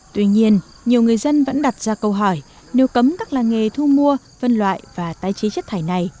tuy nhiên nhiều người dân vẫn đặt ra câu hỏi nếu cấm các làng nghề thu mua phân loại và tái chế chất thải này